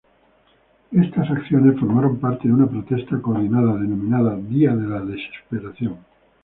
Estas acciones formaron parte de una protesta coordinada denominada "Día de la desesperación".